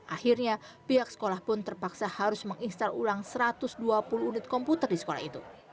akhirnya pihak sekolah pun terpaksa harus menginstal ulang satu ratus dua puluh unit komputer di sekolah itu